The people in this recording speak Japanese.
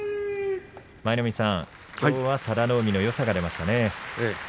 舞の海さん、きょうは佐田の海のよさが出ましたね。